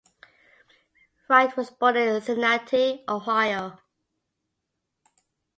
Wright was born in Cincinnati, Ohio.